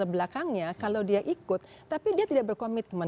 belakangnya kalau dia ikut tapi dia tidak berkomitmen